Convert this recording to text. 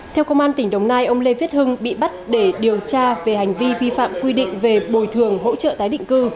theo công an tỉnh đồng nai ông lê viết hưng bị bắt để điều tra về hành vi vi phạm quy định về bồi thường hỗ trợ tái định cư